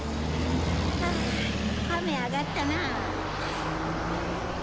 ああ雨上がったな。